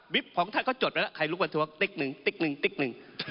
ของท่านก็จดไปแล้วใครลุกไปทวงติ๊กหนึ่งติ๊กหนึ่งติ๊กหนึ่ง